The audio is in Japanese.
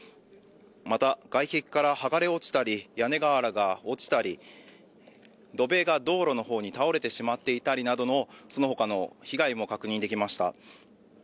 また外壁から剥がれ落ちたり屋根瓦が落ちたり、土塀が道路の方に倒れてしまっていたりなどのそのほかの被害も確認できました。